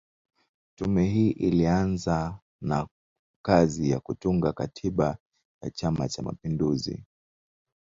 Tume hii ilianza na kazi ya kutunga katiba ya Chama Cha Mapinduzi